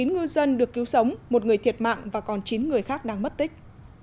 chín ngư dân được cứu sống một người thiệt mạng và còn chín người khác đang mất tích